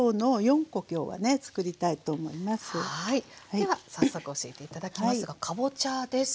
では早速教えて頂きますがかぼちゃです。